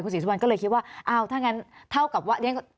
ศรีสุวรรณก็เลยคิดว่าอ้าวถ้างั้นเท่ากับว่า